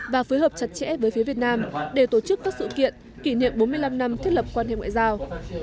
và phối hợp chặt chẽ với phía việt nam để tổ chức các sự kiện kỷ niệm bốn mươi năm năm thiết lập quan hệ ngoại giao